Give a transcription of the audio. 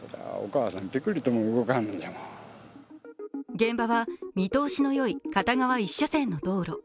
現場は見通しのよい片側一車線の道路。